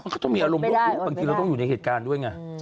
เขาต้องมีอารมณ์ลูกบางทีเราต้องอยู่ในเหตุการณ์ด้วยไง